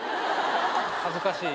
恥ずかしい。